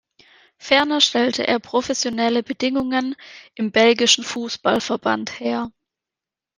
Ferner stellte er professionelle Bedingungen im belgischen Fußballverband her.